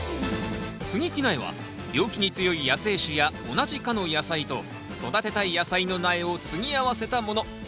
接ぎ木苗は病気に強い野生種や同じ科の野菜と育てたい野菜の苗を接ぎ合わせたもの。